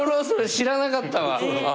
それ知らなかったわ。